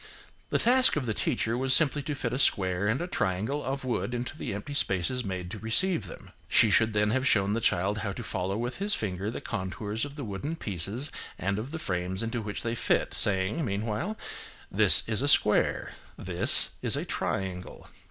The task of the teacher was simply to fit a square and a triangle of wood into the empty spaces made to receive them. She should then have shown the child how to follow with his finger the contours of the wooden pieces and of the frames into which they fit, saying, meanwhile, "This is a square–this is a triangle."